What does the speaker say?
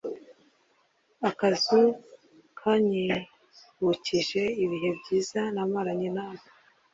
akazu kanyibukije ibihe byiza namaranye na we